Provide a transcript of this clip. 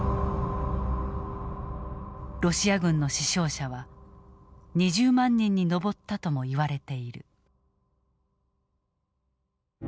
ロシア軍の死傷者は２０万人に上ったともいわれている。